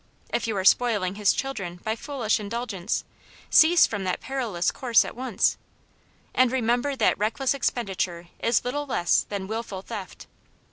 If you are spoiling his children by foolish indulgence, cease from that perilous course at once. And re member that reckless expenditure is little less than wilful theft.